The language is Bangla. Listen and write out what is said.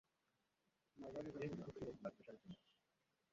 এগুলো হচ্ছে ওর ব্লাড প্রেশারের জন্য!